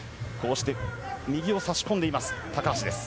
右を差し込んでいます、高橋です。